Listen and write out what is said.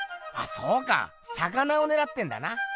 そうか魚をねらってんだな。